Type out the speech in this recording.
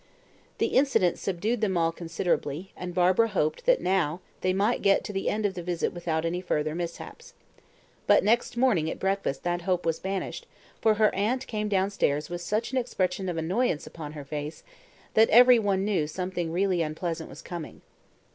The incident subdued them all considerably, and Barbara hoped that now they might get to the end of the visit without any further mishaps. But next morning at breakfast that hope was banished, for her aunt came downstairs with such an expression of annoyance upon her face, that every one knew something really unpleasant was coming.